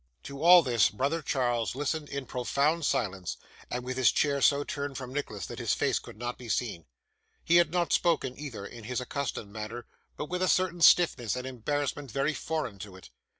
To all this, brother Charles listened in profound silence, and with his chair so turned from Nicholas that his face could not be seen. He had not spoken either, in his accustomed manner, but with a certain stiffness and embarrassment very foreign to it.